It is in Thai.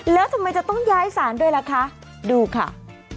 แล้วทำไมจะต้องย้ายศาลด้วยล่ะคะดูค่ะ